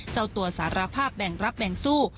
เจ้าตัวสารภาพแบ่งรับแบ่งสู้